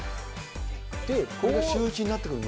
これがシューイチになってくるの？